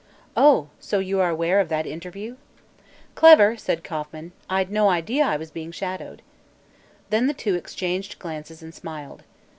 "Oh, so you are aware of that interview?" "Clever!" said Kauffman, "I'd no idea I was being shadowed." Then the two exchanged glances and smiled.